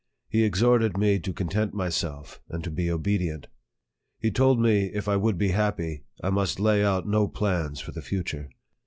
He exhorted me to content myself, and be obedient. He told me, if I would be happy, I must lay out no plans for the future.